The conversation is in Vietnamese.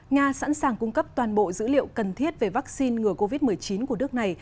nga sẵn sàng cung cấp toàn bộ dữ liệu cần thiết về vaccine ngừa covid một mươi chín của nước này